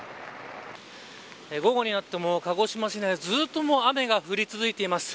午後になっても鹿児島市内はずっと雨が降り続いています。